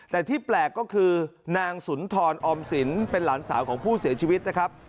แต่ที่แปลกก็คือนางสุนทรออมสินเป็นหลานสาวของผู้เสียชีวิตนะครับ